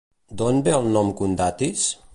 D'on ve el nom Condatis?